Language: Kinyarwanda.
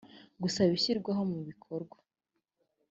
gusaba ishyirwaho mu bikorwa